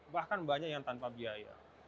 bahkan banyak yang tanpa biaya